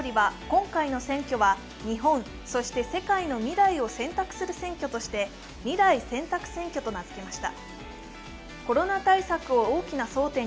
岸田総理は今回の選挙は、日本、そして世界の未来を選択する選挙として未来選択選挙と名付けました。